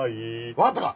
わかったか？